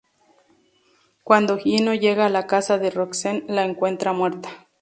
Cuando Gino llega a la casa de Roxanne, la encuentra muerta.